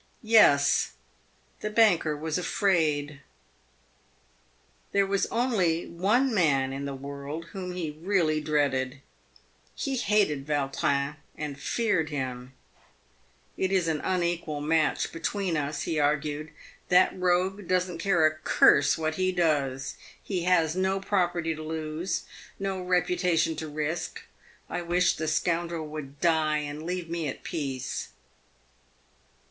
Yes, the banker was afraid. There was only one man in the world whom he really dreaded. He hated Yautrin and feared him. " It is an unequal match between us," he argued ;" that rogue doesn't care a curse what he does. He has no property to lose ; no reputation to risk. I wish the scoundrel would die and leave me at peace."